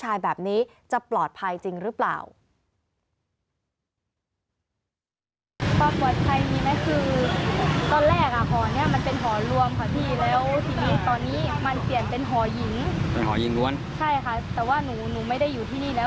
ว่ามีการปลูกเข้าไปข่มขื่นน่ะ